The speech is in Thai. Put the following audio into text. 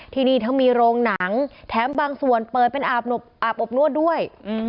ที่นี่ทั้งมีโรงหนังแถมบางส่วนเปิดเป็นอาบอบนวดด้วย